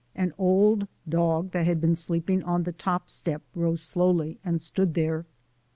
An old dog that had been sleeping on the top step rose slowly and stood there.